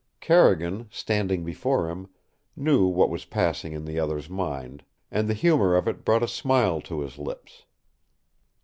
Carrigan, standing before him, knew what was passing in the other's mind, and the humor of it brought a smile to his lips.